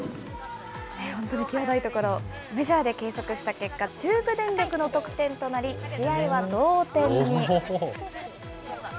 本当に際どい所、メジャーで計測した結果、中部電力の得点となり、試合は同点に。